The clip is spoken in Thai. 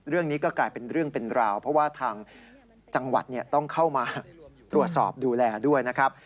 เรื่องนี้ก็กลายเป็นเรื่องเป็นราวเพราะว่าทางจังหวัดต้องเข้ามาตรวจสอบดูแลด้วยนะครับ